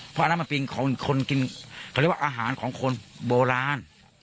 เพราะอันนั้นมันเป็นของคนกินเขาเรียกว่าอาหารของคนโบราณ